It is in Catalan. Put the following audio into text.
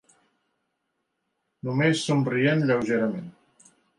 Només somrient lleugerament.